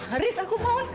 haris aku mau